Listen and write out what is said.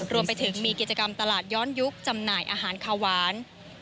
รวมไปถึงมีกิจกรรมตลาดย้อนยุคจำหน่ายอาหารคาหวาน